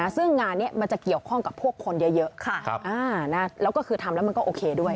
ซึ่งงานนี้มันจะเกี่ยวข้องกับพวกคนเยอะแล้วก็คือทำแล้วมันก็โอเคด้วย